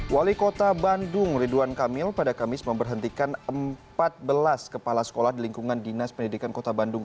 wali kota bandung ridwan kamil pada kamis memberhentikan empat belas kepala sekolah di lingkungan dinas pendidikan kota bandung